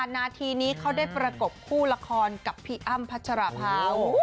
นาทีนี้เขาได้ประกบคู่ละครกับพี่อ้ำพัชราภา